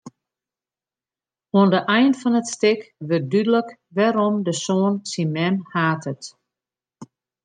Oan de ein fan it stik wurdt dúdlik wêrom de soan syn mem hatet.